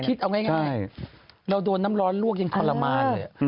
คิดเอาง่ายเราโดนน้ำร้อนลวกยังทรมานเลย